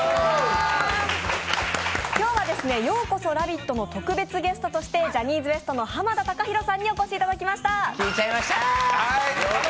今日は、ようこそラヴィットの特別ゲストとしてジャニーズＷＥＳＴの濱田崇裕さんにお越しいただきました。